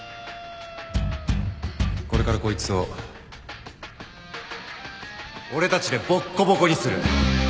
これからこいつを俺たちでボッコボコにする。